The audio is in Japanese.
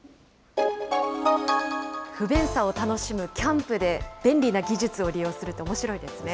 不便さを楽しむキャンプで便利な技術を利用するっておもしろいですね。